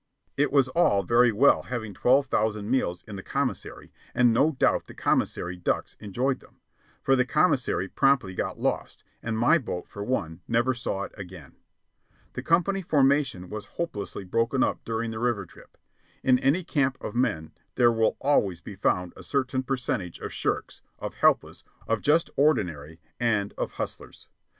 It was all very well having twelve thousand meals in the commissary, and no doubt the commissary "ducks" enjoyed them; for the commissary promptly got lost, and my boat, for one, never saw it again. The company formation was hopelessly broken up during the river trip. In any camp of men there will always be found a certain percentage of shirks, of helpless, of just ordinary, and of hustlers.